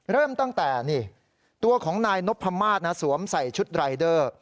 เริ่มตั้งแต่นี่ตัวของนายนพมาศสวมใส่ชุดรายเดอร์